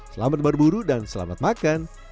selamat berburu dan selamat makan